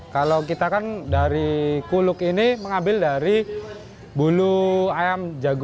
kalau kita kan dari kuluk ini mengambil dari bulu ayam jago